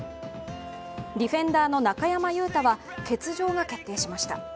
ディフェンダーの中山雄太は欠場が決定しました。